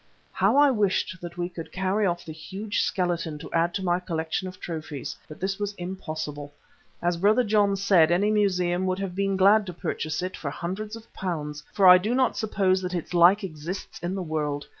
How I wished that we could carry off the huge skeleton to add to my collection of trophies, but this was impossible. As Brother John said, any museum would have been glad to purchase it for hundreds of pounds, for I do not suppose that its like exists in the world.